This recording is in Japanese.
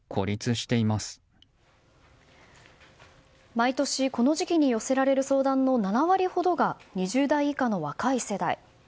毎年この時期に寄せられる相談の７割ほどが２０代以下の若い世代。